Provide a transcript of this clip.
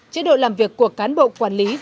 chế độ làm việc của cán bộ quản lý giảng dạy